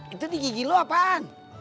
itu di gigi lu apaan